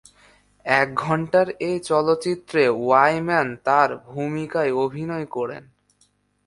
এক ঘণ্টার এই চলচ্চিত্রে ওয়াইম্যান তার ভূমিকায় অভিনয় করেন।